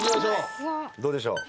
どうでしょう？